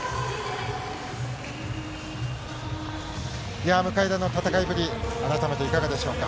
いやー、向田の戦いぶり、改めていかがでしょうか。